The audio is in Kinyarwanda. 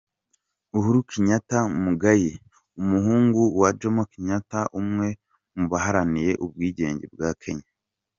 Uhuru Kenyatta Muigai, Umuhungu wa Jomo Kenyatta umwe mu baharaniye ubwigenge bwa Kenya